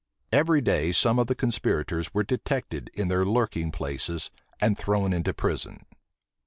Every day some of the conspirators were detected in their lurking places, and thrown into prison.